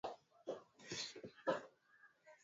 hali ya usingizi ambayo humsambabishia mtumiaji mfadhaiko